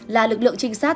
là lực lượng trinh sát